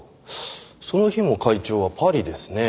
その日も会長はパリですね。